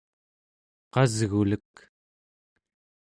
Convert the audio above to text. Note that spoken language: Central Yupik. qasgulek